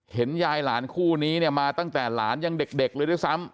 เห็นยายหลานคู่นี้เนี่ยมาตั้งแต่หลานยังเด็กเลยด้วยซ้ำ